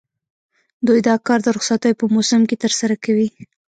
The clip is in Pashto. دوی دا کار د رخصتیو په موسم کې ترسره کوي